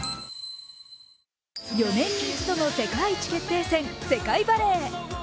４年に一度の世界一決定戦世界バレー。